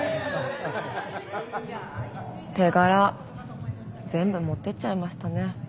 手柄全部持ってっちゃいましたね。